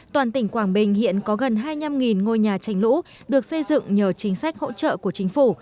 toàn tỉnh quảng bình hiện có gần hai trăm linh ngôi nhà tránh lũ được xây dựng nhờ chính sách hỗ trợ của chính phủ